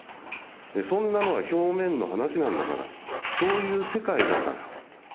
そんなのは表面の話なんだから、そういう世界だから。